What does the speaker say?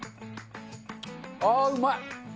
ああ、うまい。